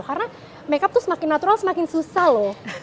karena make up tuh semakin natural semakin susah loh